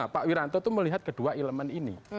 pak wiranto itu melihat kedua elemen ini